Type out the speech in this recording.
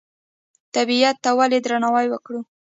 طبیعت ته ولې درناوی وکړو؟